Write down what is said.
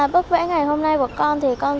bức vẽ ngày hôm nay của con thì con